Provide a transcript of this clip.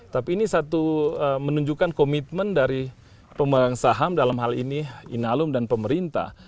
tapi ini satu menunjukkan komitmen dari pemegang saham dalam hal ini inalum dan pemerintah